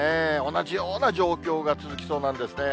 同じような状況が続きそうなんですね。